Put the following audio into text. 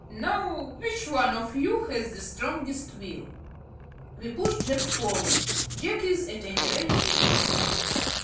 "Now, which one of you has the strongest will?" We pushed Jack forward. Jack is at any rate a big man.